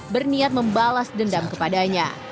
berniat membalas dendam kepadanya